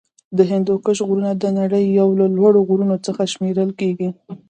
د هندوکش غرونه د نړۍ یو له لوړو غرونو څخه شمېرل کیږی.